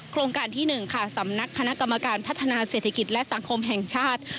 โครงการที่๑ค่ะสำนักคณะกรรมการพัฒนาเศรษฐกิจและสังคมแห่งชาติ